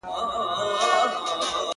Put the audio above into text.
چي له سترگو څخه اوښكي راسي,